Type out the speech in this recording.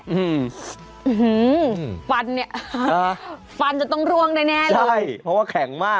อื้อหูวววฟันเนี่ยฟันจะต้องร่วงได้แน่เลยใช่เพราะว่าแข็งมาก